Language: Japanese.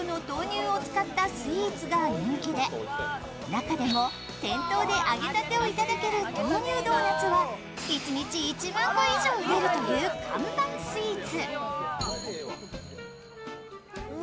中でも店頭で揚げたてをいただける豆乳ドーナツは一日１万個以上売れるという看板スイーツ。